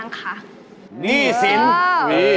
กลับไปก่อนเลยนะครับ